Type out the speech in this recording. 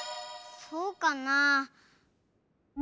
そうかな？